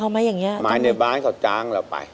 ไม้ในบ้านเขาจางแหละครับ